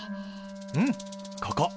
うんここ。